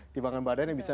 timbangan badan yang bisa